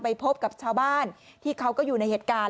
พบกับชาวบ้านที่เขาก็อยู่ในเหตุการณ์